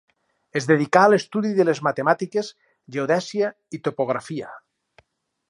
Es dedicà a l'estudi de les matemàtiques, geodèsia i topografia.